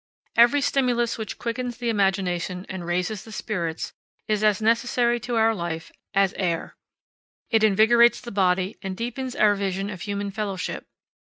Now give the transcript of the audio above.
Every stimulus which quickens the imagination and raises the spirits, is as necessary to our life as air. It invigorates the body, and deepens our vision of human fellowship.